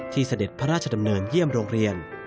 เสด็จพระราชดำเนินเยี่ยมโรงเรียน